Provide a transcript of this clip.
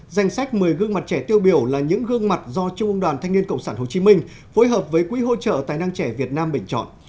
danh sách một mươi gương mặt trẻ tiêu biểu là những gương mặt do trung ương đoàn thanh niên cộng sản hồ chí minh phối hợp với quỹ hỗ trợ tài năng trẻ việt nam bình chọn